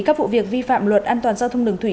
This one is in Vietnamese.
các vụ việc vi phạm luật an toàn giao thông đường thủy